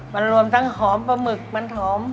มันรวมทั้งหอมปลาหมึกมันหอม